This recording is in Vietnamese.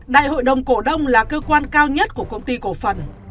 đại hội đồng cổ đông là cơ quan cao nhất của công ty cổ phần